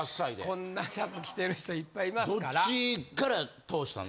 こんなシャツ着てる人いっぱいいますから。